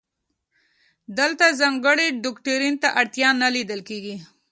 دلته ځانګړي دوکتورین ته اړتیا نه لیدل کیږي.